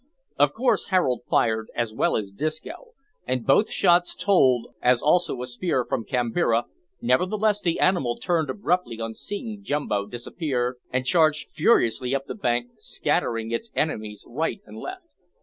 Of course Harold fired, as well as Disco, and both shots told, as also a spear from Kambira, nevertheless the animal turned abruptly on seeing Jumbo disappear, and charged furiously up the bank, scattering its enemies right and left.